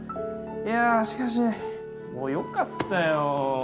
いやしかしもうよかったよ。